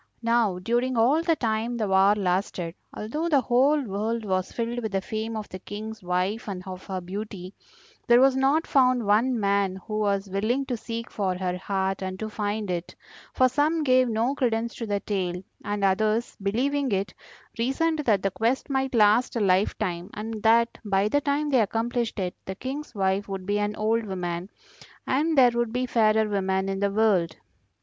Now during all the time the war lasted, although the whole world was filled with the fame of the King's wife and of her beauty, there was not found one man who was willing to seek for her heart and to find it, for some gave no credence to the tale, and others, believing it, reasoned that the quest might last a life time, and that by the time they accomplished it the King's wife would be an old woman, and there would be fairer women in the world.